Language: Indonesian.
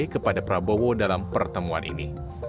kepada prabowo dalam pertemuan ini